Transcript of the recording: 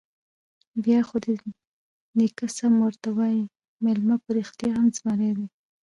_بيا خو دې نيکه سم ورته وايي، مېلمه په رښتيا هم زمری دی.